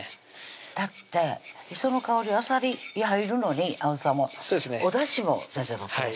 だって磯の香りはあさりが入るのにあおさもおだしも先生取っ